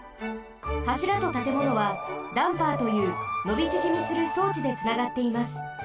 はしらとたてものはダンパーというのびちぢみするそうちでつながっています。